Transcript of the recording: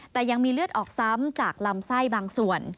แต่ยังมีเลือดออกซ้ำจากลำไส้บางส่วน